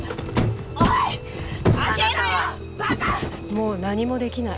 もう何も出来ない。